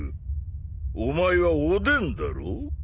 お前は「おでん」だろう？